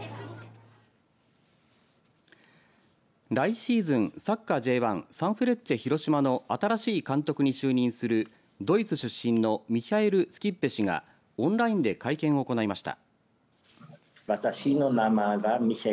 来シーズン、サッカーＪ１サンフレッチェ広島の新しい監督に就任するドイツ出身のミヒャエル・スキッベ氏がオンラインで会見を行いました。